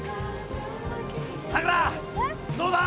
さくらどうだ？